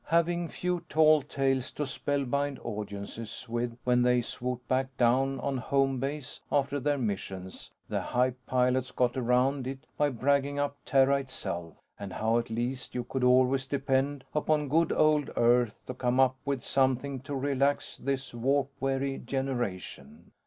Having few tall tales to spellbind audiences with when they swooped back down on Home Base after their missions, the hype pilots got around it by bragging up Terra itself, and how at least you could always depend upon good old Earth to come up with something to relax this Warp Weary generation!